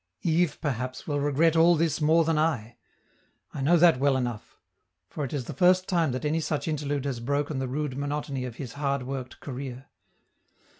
Yves perhaps will regret all this more than I. I know that well enough; for it is the first time that any such interlude has broken the rude monotony of his hard worked career.